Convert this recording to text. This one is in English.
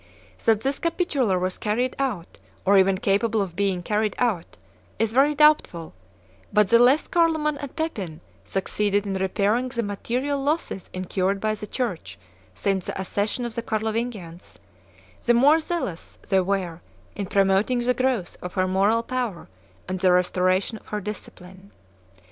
That this capitular was carried out, or even capable of being carried out, is very doubtful; but the less Carloman and Pepin succeeded in repairing the material losses incurred by the Church since the accession of the Carlovingians, the more zealous they were in promoting the growth of her moral power and the restoration of her discipline.